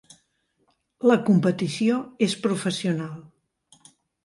La competició és professional.